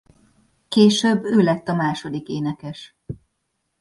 Később ő lett a második énekes.